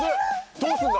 どうすんの？